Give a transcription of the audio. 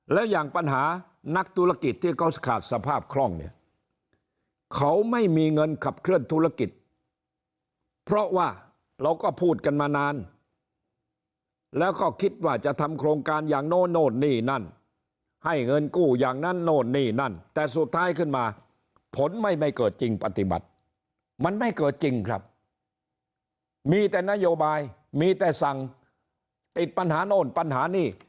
แล้วอย่างปัญหานักธุรกิจที่เขาขาดสภาพคล่องเนี่ยเขาไม่มีเงินขับเคลื่อนธุรกิจเพราะว่าเราก็พูดกันมานานแล้วก็คิดว่าจะทำโครงการอย่างโน้นโน่นนี่นั่นให้เงินกู้อย่างนั้นโน่นนี่นั่นแต่สุดท้ายขึ้นมาผลไม่ไม่เกิดจริงปฏิบัติมันไม่เกิดจริงครับมีแต่นโยบายมีแต่สั่งติดปัญหาโน่นปัญหานี่